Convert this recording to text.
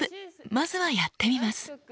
まずはやってみます。